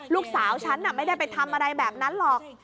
ลูกสาวฉันไม่ได้ไปทำอะไรแบบนั้นหรอก